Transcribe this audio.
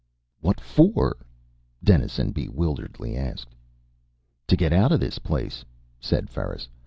"What for?" Dennison bewilderedly asked. "To get out of this place!" said Ferris.